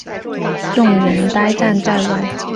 众人呆站在外